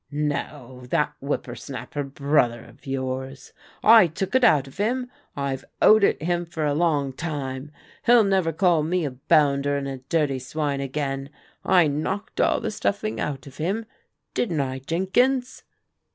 " No, that whipper snapper brother of yours. I took it out of him. I've owed it him for a long time. He'll never call me a bounder and a dirty swine again. I knocked all the stuffing out of him. Didn't I, Jenkins?"